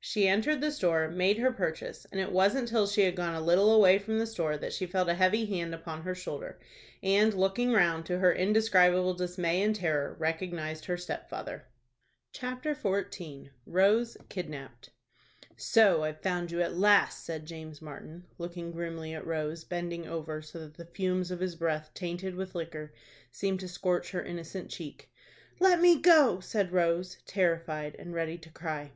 She entered the store, made her purchase, and it wasn't till she had gone a little away from the store that she felt a heavy hand upon her shoulder, and, looking round, to her indescribable dismay and terror, recognized her stepfather. CHAPTER XIV. ROSE KIDNAPPED. "So I've found you at last," said James Martin, looking grimly at Rose, bending over so that the fumes of his breath, tainted with liquor, seemed to scorch her innocent cheek. "Let me go," said Rose, terrified and ready to cry.